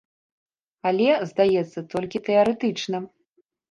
Але, здаецца, толькі тэарэтычна.